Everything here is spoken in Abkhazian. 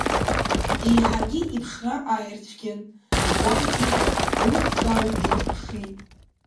Еиҳагьы иԥшра ааирцәгьан, Леуанти аусҭҵааҩ днеиҿаԥшит.